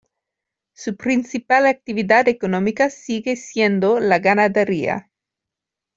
Su principal actividad económica sigue siendo la ganadería.